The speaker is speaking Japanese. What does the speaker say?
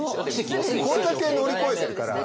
これだけ乗り越えてるから。